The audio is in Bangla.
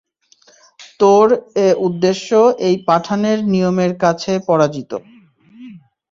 তোর এ উদ্দেশ্য এই পাঠানের নিয়মের কাছে পরাজিত।